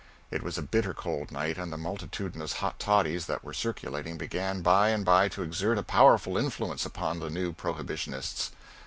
It was a bitter cold night and the multitudinous hot toddies that were circulating began by and by to exert a powerful influence upon the new prohibitionists.